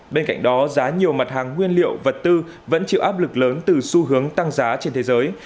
bên cạnh đó giá nhiều mặt hàng nguyên liệu vật tư vẫn chịu áp lực lớn từ xu hướng tăng giá trên thế giới